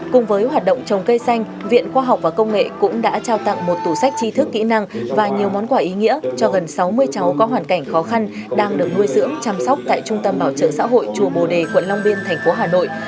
cùng với hoạt động trồng cây xanh viện khoa học và công nghệ cũng đã trao tặng một tủ sách chi thức kỹ năng và nhiều món quà ý nghĩa cho gần sáu mươi cháu có hoàn cảnh khó khăn đang được nuôi dưỡng chăm sóc tại trung tâm bảo trợ xã hội chùa bồ đề quận long biên thành phố hà nội